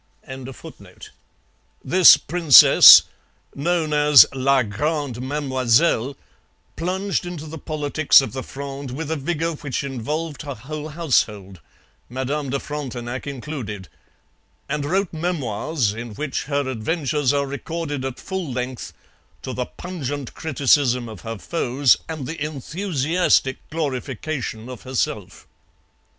] and first cousin to Louis XIV. This princess, known as La Grande Mademoiselle, plunged into the politics of the Fronde with a vigour which involved her whole household Madame de Frontenac included and wrote Memoirs in which her adventures are recorded at full length, to the pungent criticism of her foes and the enthusiastic glorification of herself.